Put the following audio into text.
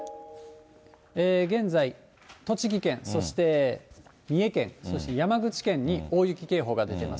現在、栃木県、そして三重県、そして山口県に大雪警報が出ています。